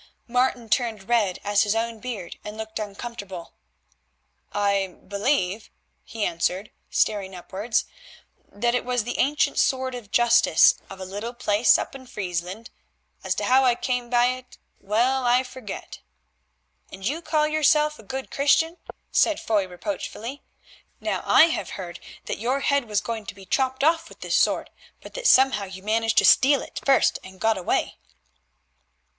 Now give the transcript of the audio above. Martin turned red as his own beard and looked uncomfortable. "I believe," he answered, staring upwards, "that it was the ancient Sword of Justice of a little place up in Friesland. As to how I came by it, well, I forget." "And you call yourself a good Christian," said Foy reproachfully. "Now I have heard that your head was going to be chopped off with this sword, but that somehow you managed to steal it first and got away."